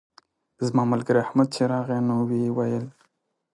زما ملګری احمد چې راغی نو ویې ویل.